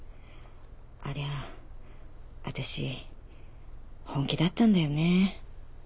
ありゃ私本気だったんだよね。